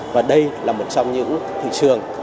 và đây là một trong những thị trường